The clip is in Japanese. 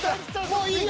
もういい！